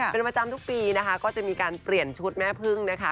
เป็นประจำทุกปีนะคะก็จะมีการเปลี่ยนชุดแม่พึ่งนะคะ